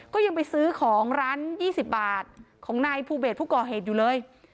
ก็ยังไปซื้อของร้าน๒๐บาทของนายภูเบสผู้ก่อเหตุอยู่เลย